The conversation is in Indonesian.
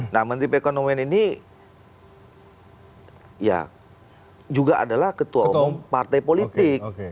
nah menteri perekonomian ini ya juga adalah ketua umum partai politik